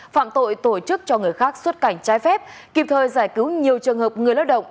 phạm tội tổ chức cho người khác xuất cảnh trái phép kịp thời giải cứu nhiều trường hợp người lao động